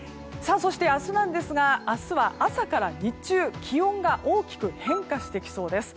そして明日ですが明日は朝から日中気温が大きく変化してきそうです。